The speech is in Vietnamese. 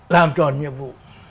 làm tròn nhiệm vụ